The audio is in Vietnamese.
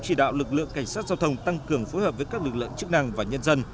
chỉ đạo lực lượng cảnh sát giao thông tăng cường phối hợp với các lực lượng chức năng và nhân dân